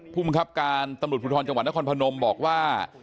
มังคับการตำรวจภูทรจังหวัดนครพนมบอกว่า